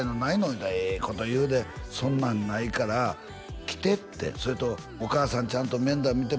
言うたらええこと言うで「そんなんないから来て」ってそれと「お母さんちゃんと面倒見て」